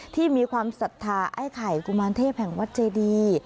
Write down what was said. ที่มีความศรัทธาไอ้ไข่กุมารเทพแห่งวัดเจดี